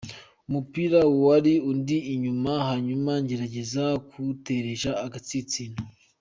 "Umupira wari undi inyuma hanyuma ngerageza kuwuteresha agatsinsino.